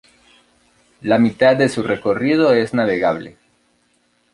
La mitad de su recorrido es navegable.